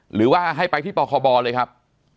หรือว่าให้ไปที่ปคบเลยครับ